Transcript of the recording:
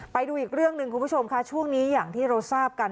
ไปดูอีกเรื่องหนึ่งคุณผู้ชมค่ะช่วงนี้อย่างที่เราทราบกัน